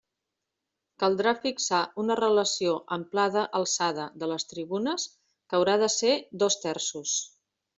Caldrà fixar una relació amplada alçada de les tribunes, que haurà de ser dos terços.